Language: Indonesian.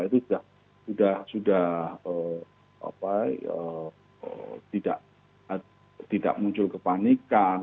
itu sudah tidak muncul kepanikan